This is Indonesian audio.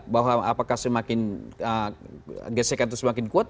bahwa apakah semakin gesekan itu semakin kuat